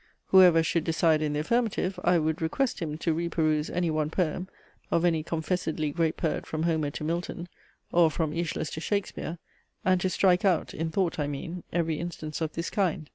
Whoever should decide in the affirmative, I would request him to re peruse any one poem, of any confessedly great poet from Homer to Milton, or from Aeschylus to Shakespeare; and to strike out, (in thought I mean), every instance of this kind.